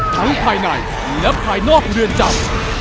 ภายในและภายนอกเรือนจำ